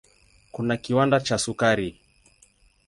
Kuna kiwanda cha sukari.